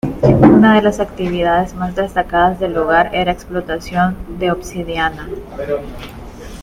Una de las actividades más destacadas del lugar era la explotación de obsidiana.